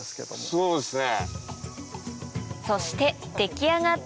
そうですね。